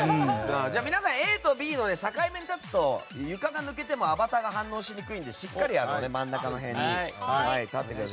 皆さん、ＡとＢの境目に立つと床が抜けてもアバターが反応しにくいのでしっかり真ん中のほうに立って。